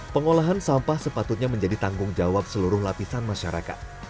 pengolahan sampah sepatutnya menjadi tanggung jawab seluruh lapisan masyarakat